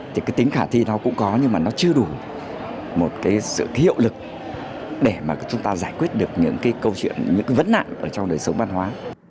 thì cái tính khả thi nó cũng có nhưng mà nó chưa đủ một cái sự hiệu lực để mà chúng ta giải quyết được những cái câu chuyện những cái vấn nạn ở trong đời sống văn hóa